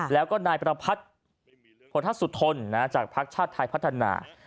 แล้วก็นายประพัทธ์โพธสุธนจากภักดิ์ชาติไทยพัฒนา